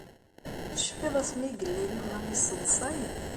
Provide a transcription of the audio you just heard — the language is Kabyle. Tecfiḍ asmi i yella Yuba yesseḍsay?